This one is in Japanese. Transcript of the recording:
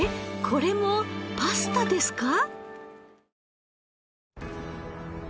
これもパスタですか？